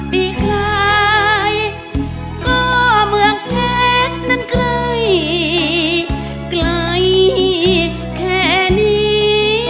ปีใกล้ก็เมืองแค่นั้นไกลไกลแค่นี้